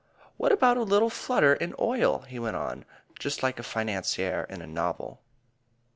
"What about a little flutter in oil?" he went on, just like a financier in a novel.